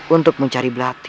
untuk mencari blati